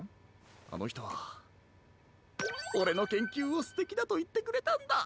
あのひとはオレのけんきゅうをすてきだといってくれたんだ！